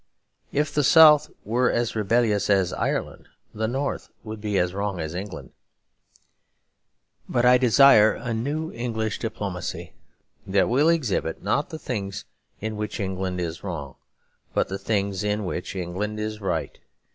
If the South were as rebellious as Ireland, the North would be as wrong as England. But I desire a new English diplomacy that will exhibit, not the things in which England is wrong but the things in which England is right.